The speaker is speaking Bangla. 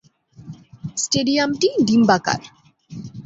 স্টেডিয়ামটি ডিম্বাকার।